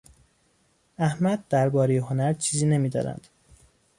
احمد دربارهی هنر چیزی نمیداند.